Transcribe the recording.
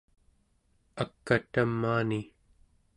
ak'a tamaani